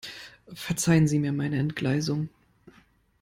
Verzeihen Sie mir meine Entgleisung.